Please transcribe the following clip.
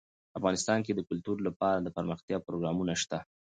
افغانستان کې د کلتور لپاره دپرمختیا پروګرامونه شته.